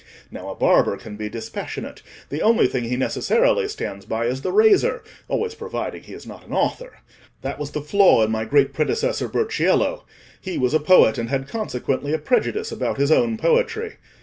Now a barber can be dispassionate; the only thing he necessarily stands by is the razor, always providing he is not an author. That was the flaw in my great predecessor Burchiello: he was a poet, and had consequently a prejudice about his own poetry.